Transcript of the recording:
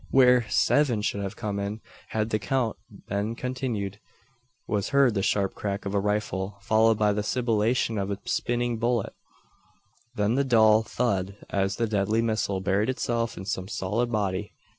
Where "seven" should have come in, had the count been continued, was heard the sharp crack of a rifle, followed by the sibillation of a spinning bullet; then the dull "thud" as the deadly missile buried itself in some solid body.